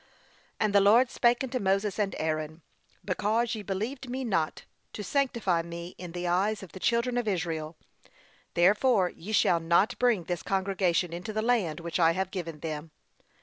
'And the Lord spake unto Moses and Aaron, Because ye believed me not, to sanctify me in the eyes of the children of Israel, therefore ye shall not bring this congregation into the land which I have given them.'